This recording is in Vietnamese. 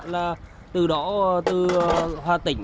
và liệu có lan rộng hay không